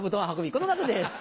この方です。